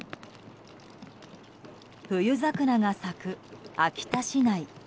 冬桜が咲く秋田市内。